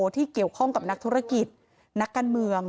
ที่เกี่ยวข้องกับนักธุรกิจนักการเมือง